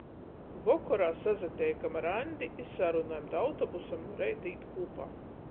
Vokorā sasateikam ar Aņdi i sarunojam da autobusam nu reita īt kūpā.